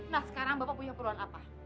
nah sekarang bapak punya peran apa